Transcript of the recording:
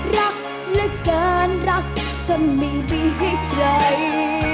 รักเหลือเกินรักจนไม่มีให้ใคร